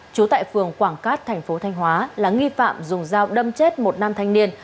trú tại phường quảng cát thành phố thanh hóa là nghi phạm dùng dao đâm chết một nam thanh niên